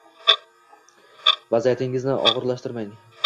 Vaziyatingizni og‘irlashtirmang.